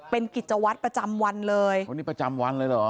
เป็นกิจวัตรประจำวันเลยโอ้นี่ประจำวันเลยเหรอ